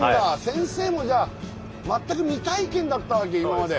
先生もじゃあ全く未体験だったわけ今まで。